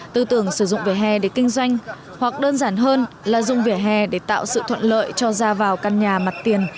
tư tưởng sử dụng vỉa hè để kinh doanh hoặc đơn giản hơn là dùng vỉa hè để tạo sự thuận lợi cho ra vào căn nhà mặt tiền